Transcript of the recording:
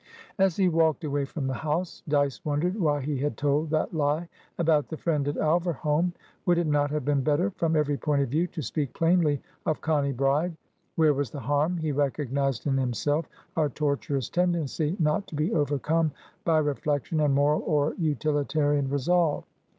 As he walked away from the house, Dyce wondered why he had told that lie about the friend at Alverholme. Would it not have been better, from every point of view, to speak plainly of Connie Bride? Where was the harm? He recognised in himself a tortuous tendency, not to be overcome by reflection and moral or utilitarian resolve.